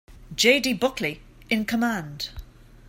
J. D. Buckeley in command.